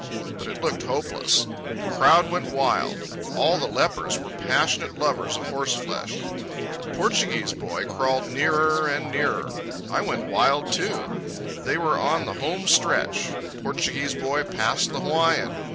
But it looked hopeless. The crowd went wild. All the lepers were passionate lovers of horseflesh. The Portuguese boy crawled nearer and nearer. I went wild, too. They were on the home stretch. The Portuguese boy passed the Hawaiian.